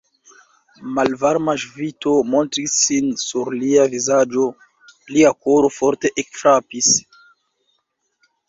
Malvarma ŝvito montris sin sur lia vizaĝo; lia koro forte ekfrapis.